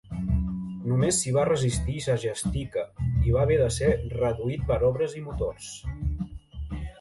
Només s'hi va resistir "Segestica", i va haver de ser "reduït per obres i motors".